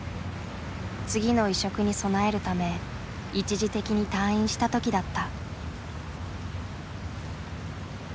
次の移植に備えるため一時的に退院した時だった。